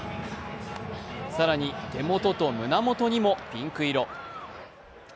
更に手元と胸元にもピンク色。